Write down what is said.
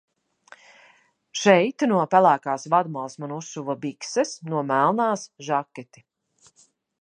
Šeit no pelēkās vadmalas man uzšuva bikses, no melnās žaketi.